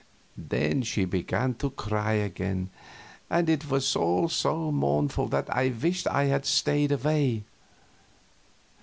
Then she began to cry again, and it was all so mournful that I wished I had stayed away.